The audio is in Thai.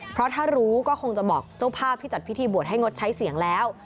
เพราะถ้ารู้ก็คงจะบอกเจ้าภาพที่จัดพิธีบวชให้งดใช้เสียงแล้ว